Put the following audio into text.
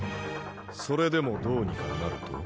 それでもどうにかなると？